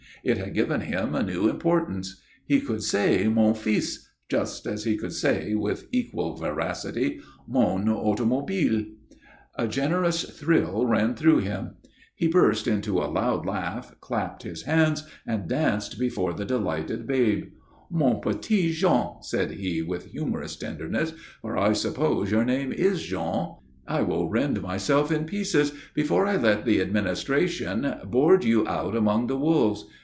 It had given him a new importance. He could say "mon fils," just as he could say (with equal veracity) "mon automobile." A generous thrill ran through him. He burst into a loud laugh, clapped his hands, and danced before the delighted babe. "Mon petit Jean," said he, with humorous tenderness, "for I suppose your name is Jean; I will rend myself in pieces before I let the Administration board you out among the wolves.